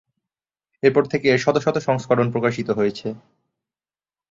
এরপর থেকে এর শত শত সংস্করণ প্রকাশিত হয়েছে।